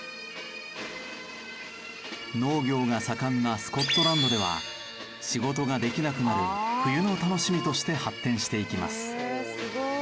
農業が盛んなスコットランドでは仕事ができなくなる冬の楽しみとして発展していきます。